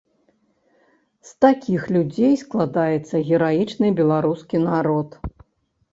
З такіх людзей складаецца гераічны беларускі народ.